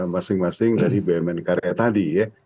masing masing dari bumn karya tadi ya